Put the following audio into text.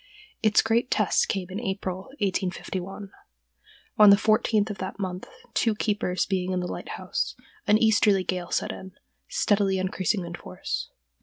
Its great test came in April, 1851. On the fourteenth of that month, two keepers being in the lighthouse, an easterly gale set in, steadily increasing in force....